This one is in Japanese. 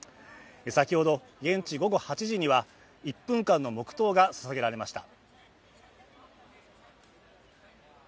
先ほど、現地午後８時には１分間の黙とうがささげられました。